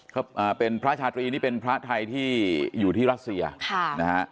เขาอ่าเป็นพระชาตรีนี่เป็นพระไทยที่อยู่ที่รัสเซียค่ะนะฮะ